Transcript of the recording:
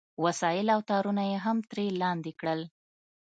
وسایل او تارونه یې هم ترې لاندې کړل